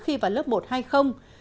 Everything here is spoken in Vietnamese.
khi vào lớp một hay không